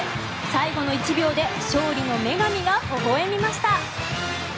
最後の１秒で勝利の女神がほほ笑みました。